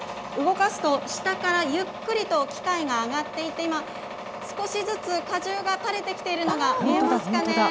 動かすと、下からゆっくりと機械が上がっていって、今、少しずつ果汁が垂れてきているのが見えますかね。